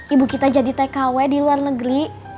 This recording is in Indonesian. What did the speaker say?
ibu kita jadi tkw di luar negeri